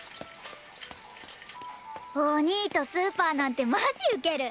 お兄とスーパーなんてマジうける。